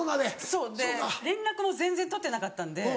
そうで連絡も全然取ってなかったんで。